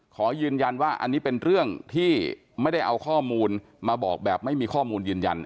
ขอยืนยันว่าอันนี้เป็นเรื่องที่ไม่ได้เอาข้อมูลมาบอกแบบไม่มีข้อมูลยืนยัน